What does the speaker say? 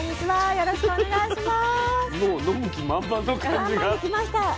よろしくお願いします。